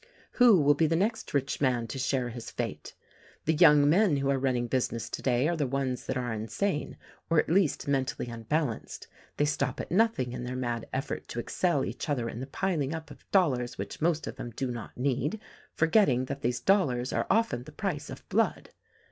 "Who will be the next rich man to share his fate? "The young men who are running business today are the ones that are insane, or at least mentally unbalanced. They stop at nothing in their mad effort to excel each other in the piling up of dollars which most of them do not need — forgetting that these dollars are often the price of blood.